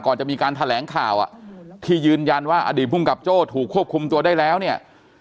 ก่อนจะมีการแถลงข่าวอ่ะที่ยืนยันว่าอดีตภูมิกับโจ้ถูกควบคุมตัวได้แล้วเนี่ย